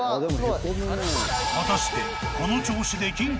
［果たして］